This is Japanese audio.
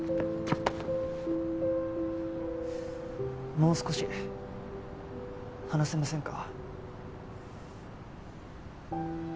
もう少し話せませんか？